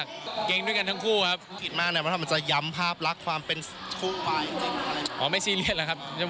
คุณป้าน้องสาวน้องชาย